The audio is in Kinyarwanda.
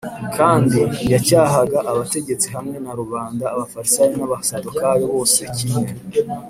; kandi yacyahaga abategetsi hamwe na rubanda, Abafarisayo n’Abasadukayo bose kimwe